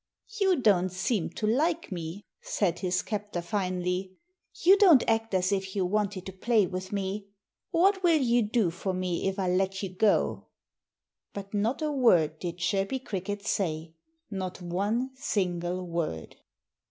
"You don't seem to like me," said his captor finally. "You don't act as if you wanted to play with me.... What will you do for me if I let you go?" But not a word did Chirpy Cricket say not one single word!